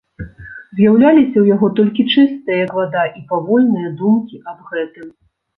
З'яўляліся ў яго толькі чыстыя, як вада, і павольныя думкі аб гэтым.